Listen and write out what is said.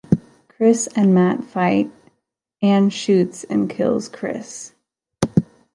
Chris and Matt fight, Anne shoots and kills Chris.